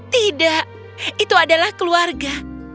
tidak itu adalah keluarga